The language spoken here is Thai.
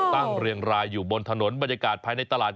เรียงรายอยู่บนถนนบรรยากาศภายในตลาด